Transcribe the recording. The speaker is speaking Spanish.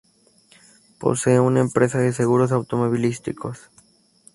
Posee una empresa de seguros automovilísticos.